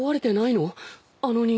あの人形。